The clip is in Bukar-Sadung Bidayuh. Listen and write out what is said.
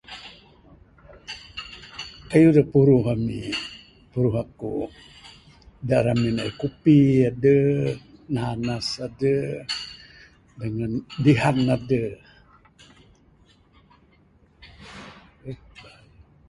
Kayuh da puruh ami puruh aku da ramin aih kupi adeh nanas adeh dengan dihan adeh.